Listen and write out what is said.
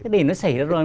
để nó xảy ra rồi